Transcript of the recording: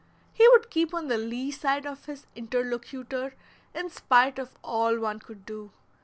He would keep on the lee side of his interlocutor in spite of all one could do.